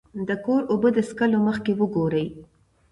د کور اوبه د څښلو مخکې وګورئ.